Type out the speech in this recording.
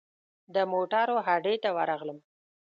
د موټرو هډې ته ورغلم.